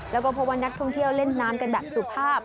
แล้วก็เพราะว่านักท่องเที่ยวเล่นน้ำกันแบบสุภาพ